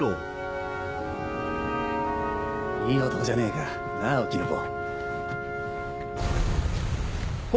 いい男じゃねえかなぁお絹坊。